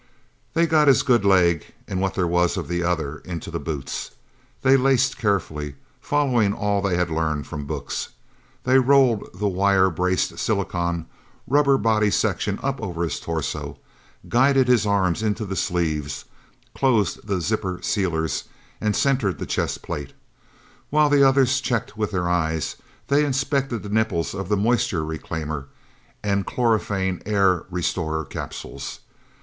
They got his good leg, and what there was of the other, into the boots. They laced carefully, following all they had learned from books. They rolled the wire braced silicone rubber body section up over his torso, guided his arms into the sleeves, closed the zipper sealers and centered the chest plate. While the others checked with their eyes, they inspected the nipples of the moisture reclaimer and chlorophane air restorer capsules.